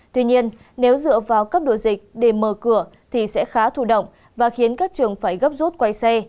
tuy nhiên nếu dựa vào cấp độ dịch để mở cửa thì sẽ khá thủ động và khiến các trường phải gấp rút quay xe